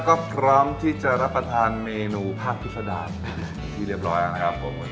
ก็พร้อมที่จะรับประทานเมนูพรรคฏศดามที่เรียบร้อยนะครับครับผม